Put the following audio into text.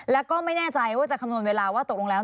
แล้วก็ไม่แน่ใจว่าจะคำนวณเวลาว่าตกลงแล้ว